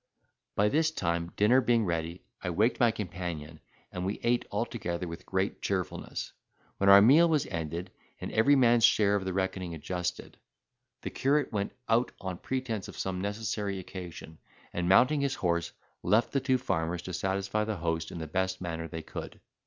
By this time dinner being ready, I waked my companion, and we ate altogether with great cheerfulness. When our meal was ended, and every man's share of the reckoning adjusted, the curate went out on pretence of some necessary occasion, and, mounting his house, left the two farmers to satisfy the host in the best manner they could.